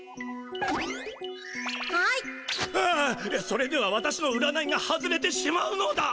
それでは私の占いが外れてしまうのだ！